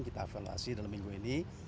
kita evaluasi dalam minggu ini